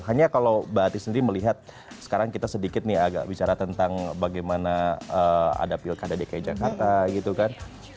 hanya kalau mbak ati sendiri melihat sekarang kita sedikit nih agak bicara tentang bagaimana ada pilkada dki jakarta gitu kan